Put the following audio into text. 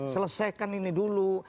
selesaikan ini dulu